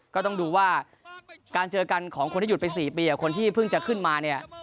ก็ต้องดูว่าการเจอกันของคนที่หยุดไป๔ปีกับคนที่เพิ่งจะขึ้นมาเนี่ย